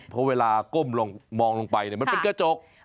เพราะเวลาก้มลงมองลงไปมันเป็นกระจก